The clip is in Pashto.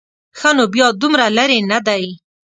ښه نو بیا دومره لرې نه دی.